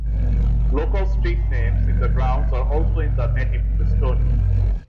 Local street names in the grounds are also in the native Estonian.